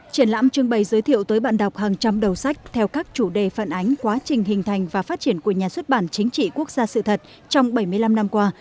triển lãm trưng bày giới thiệu tới bạn đọc hàng trăm đầu sách theo các chủ đề phản ánh quá trình hình thành và phát triển của nhà xuất bản chính trị quốc gia sự thật trong bảy mươi năm năm qua